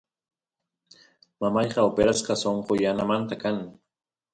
mamayqa operasqa sonqo yanamanta kan